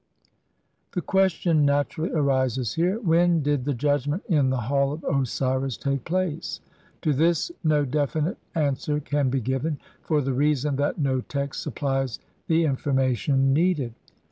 The question naturally arises here :— When did the judgment in the Hall of Osiris take place? To this no definite answer can be given, for the reason that no text supplies the information needed.